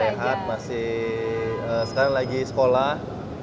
sehat masih sekarang lagi sekolah